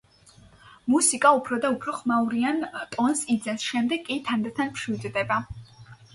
მუსიკა უფრო და უფრო ხმაურიან ტონს იძენს, შემდეგ კი თანდათან მშვიდდება.